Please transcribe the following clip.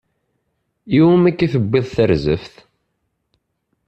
Iwumi akka i tuwiḍ tarzeft?